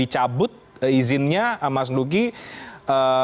cabut izinnya mas nugita